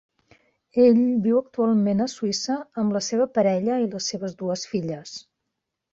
Ell viu actualment a Suïssa amb la seva parella i les seves dues filles.